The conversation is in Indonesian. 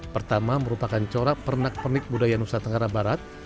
pertama merupakan corak pernak pernik budaya nusa tenggara barat